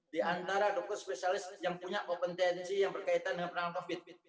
di antara dokter spesialis yang punya kompetensi yang berkaitan dengan penanganan covid sembilan belas